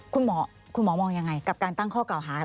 คุณหมอคุณหมอมองยังไงกับการตั้งข้อกล่าวหา